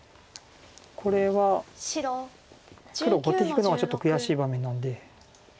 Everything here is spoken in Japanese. これは黒後手引くのがちょっと悔しい場面なんで。